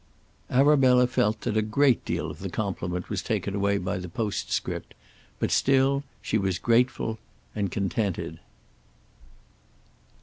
Arabella felt that a great deal of the compliment was taken away by the postscript; but still she was grateful and contented.